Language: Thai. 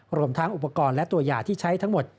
รวมทั้งอุปกรณ์และตัวยาที่ใช้ทั้งหมด